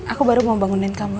aku baru mau bangunin kamu